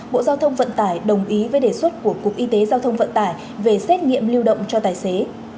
bộ giao thông vận tải đồng ý với đề xuất của cục y tế giao thông vận tải về xét nghiệm lưu động cho tài xế